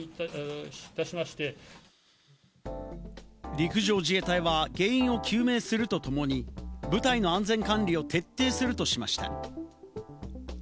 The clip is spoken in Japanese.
陸上自衛隊は原因を究明するとともに、部隊の安全管理を徹底するとしました。